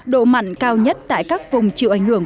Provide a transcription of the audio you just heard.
độ mặn cao nhất tại các vùng chịu ảnh hưởng